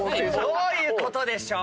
どういうことでしょう？